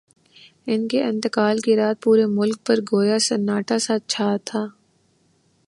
ان کے انتقال کی رات پورے ملک پر گویا سناٹا سا چھا گیا۔